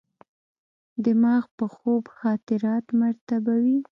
دماغ په خوب خاطرات مرتبوي.